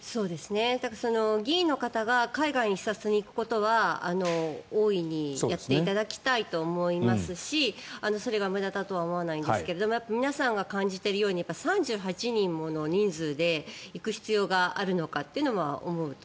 議員の方が海外に視察に行くことは大いにやっていただきたいと思いますしそれが無駄だとは思わないんですが皆さんが感じているように３８人もの人数で行く必要があるのかというのは思うと。